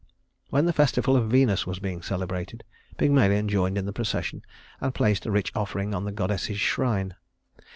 When the festival of Venus was being celebrated, Pygmalion joined in the procession and placed a rich offering on the goddess's shrine.